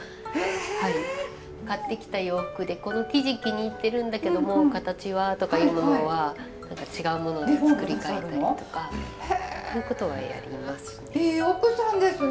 買ってきた洋服でこの生地気に入ってるんだけどもう形はとかいうものは違うものに作り替えたりとかということはやりますね。